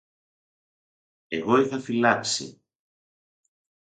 Εγώ είχα φυλάξει